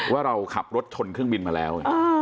ว่าเราขับรถชนเครื่องบินมาแล้ว